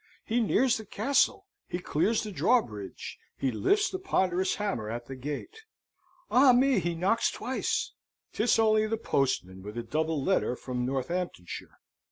He nears the castle, he clears the drawbridge, he lifts the ponderous hammer at the gate. Ah me, he knocks twice! 'Tis only the postman with a double letter from Northamptonshire!